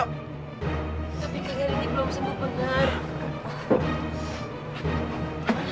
tapi kak gari ini belum sempat benar